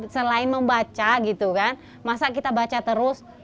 selain membaca gitu kan masa kita baca terus